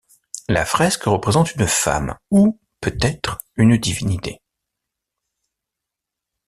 La fresque représente une femme, ou peut-être une divinité.